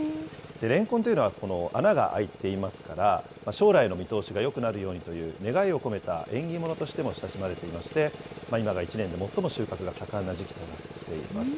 レンコンというのは、穴が開いていますから、将来の見通しがよくなるようにという願いを込めた縁起物としても親しまれていまして、今が１年で最も収穫が盛んな時期となっています。